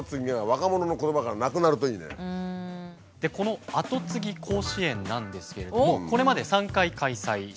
このアトツギ甲子園なんですけれどもこれまで３回開催しております。